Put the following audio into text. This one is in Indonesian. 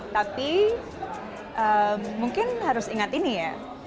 tapi mungkin harus ingat ini ya